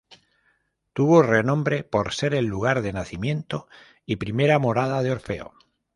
Tuvo renombre por ser el lugar de nacimiento y primera morada de Orfeo.